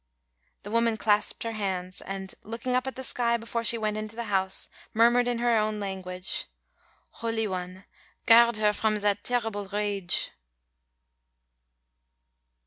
The woman clasped her hands, and, looking up at the sky before she went into the house, murmured in her own language, "Holy One, guard her from that terrible rage!"